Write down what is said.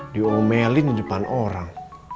diomelin di depan orang